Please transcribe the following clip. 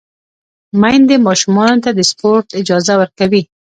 میندې ماشومانو ته د سپورت اجازه ورکوي۔